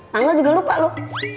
tanggal juga lupa lu